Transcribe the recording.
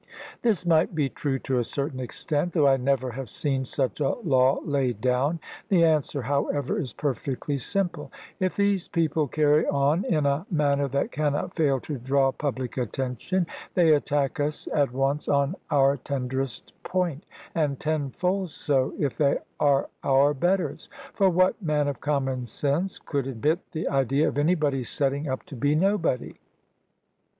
This might be true to a certain extent, though I never have seen such a law laid down. The answer, however, is perfectly simple. If these people carry on in a manner that cannot fail to draw public attention, they attack us at once on our tenderest point, and tenfold so if they are our betters; for what man of common sense could admit the idea of anybody setting up to be nobody?